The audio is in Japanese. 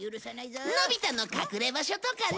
のび太の隠れ場所とかね